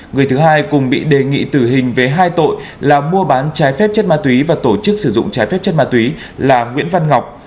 người thứ hai cùng bị đề nghị tử hình về hai tội là mua bán trái phép chất ma túy và tổ chức sử dụng trái phép chất ma túy là nguyễn văn ngọc